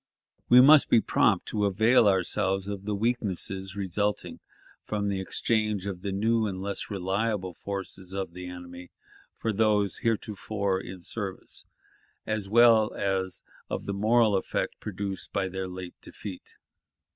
We must be prompt to avail ourselves of the weakness resulting from the exchange of the new and less reliable forces of the enemy, for those heretofore in service, as well as of the moral effect produced by their late defeat....